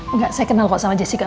enggak saya kenal kok sama jessica